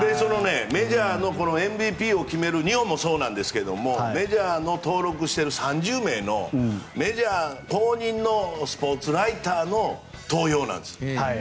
メジャーのＭＶＰを決める日本もそうなんですけどメジャー登録してる３０名のメジャー公認のスポーツライターの投票なんです。